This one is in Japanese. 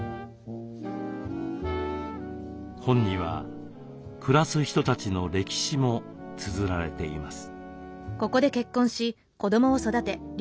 本には暮らす人たちの歴史もつづられています。